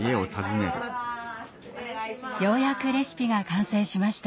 ようやくレシピが完成しました。